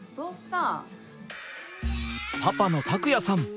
パパの琢也さん